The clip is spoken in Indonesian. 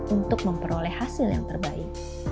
untuk memperoleh hasil yang terbaik